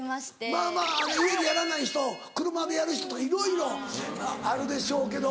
まぁまぁ家でやらない人車でやる人とかいろいろあるでしょうけど。